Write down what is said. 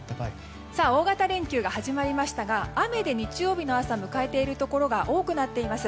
大型連休が始まりましたが雨で日曜日の朝を迎えているところが多くなっています。